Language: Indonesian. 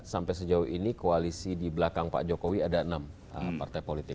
sampai sejauh ini koalisi di belakang pak jokowi ada enam partai politik